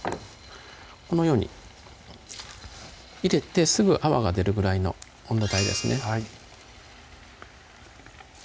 このように入れてすぐ泡が出るぐらいの温度帯ですね